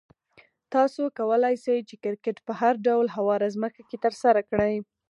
تاسو کولای شئ چې کرکټ په هر ډول هواره ځمکه کې ترسره کړئ.